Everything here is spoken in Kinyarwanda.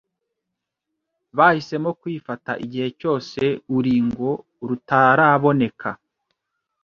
bahisemo kwifata igihe cyose uringo rutaraboneka